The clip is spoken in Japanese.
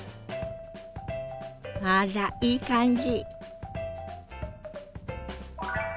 あらいい感じ。